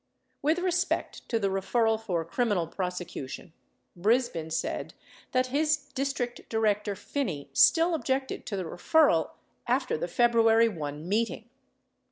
With respect to the referral for criminal prosecution, Brisbin said that his District Director, Phinney, still objected to the referral after the February 1 meeting.